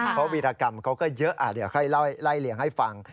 เพราะวีรกรรมเขาก็เยอะเดี๋ยวค่อยไล่เลี่ยงให้ฟัง